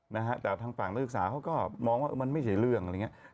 แต่ทางฝั่งต้องอึกษาเขาก็มองว่ามันไม่ใช่เรื่องอะไรอย่างนี้